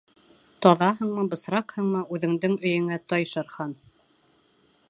Таҙаһыңмы, бысраҡһыңмы, үҙеңдең өйөңә тай, Шер Хан.